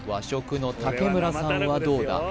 食の竹村さんはどうだ？